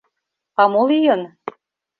— А мо лийын?